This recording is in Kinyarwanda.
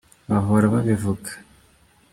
bahora babivuga.